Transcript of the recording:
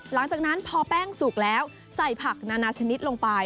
หลังจากนั้นพอแป้งสุกแล้วใส่ผักนานาชนิดลงไป